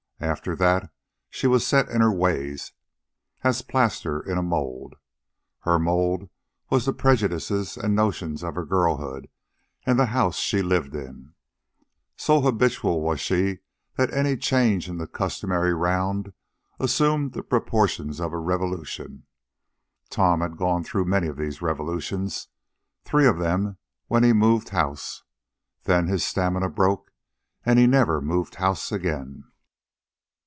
After that she was as set in her ways as plaster in a mold. Her mold was the prejudices and notions of her girlhood and the house she lived in. So habitual was she that any change in the customary round assumed the proportions of a revolution. Tom had gone through many of these revolutions, three of them when he moved house. Then his stamina broke, and he never moved house again.